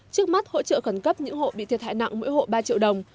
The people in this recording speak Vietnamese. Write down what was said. trước mắt hỗ trợ khẩn cấp những hộ bị thiệt hại nặng mỗi hộ ba triệu đồng